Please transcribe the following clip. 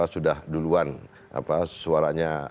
sudah duluan suaranya